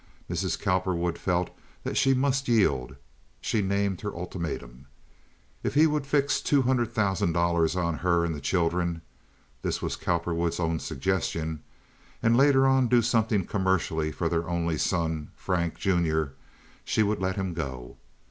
Mrs. Cowperwood felt that she must yield; she named her ultimatum. If he would fix two hundred thousand dollars on her and the children (this was Cowperwood's own suggestion) and later on do something commercially for their only son, Frank, junior, she would let him go.